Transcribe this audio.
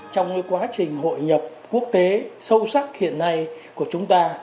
trong quá trình hội nhập quốc tế sâu sắc hiện nay của chúng ta